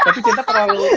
tapi cinta terlalu